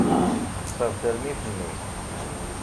Texṣer tarmit-nni.